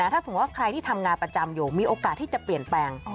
ถ้าสมมุติว่าใครที่ทำงานประจำอยู่มีโอกาสที่จะเปลี่ยนแปลง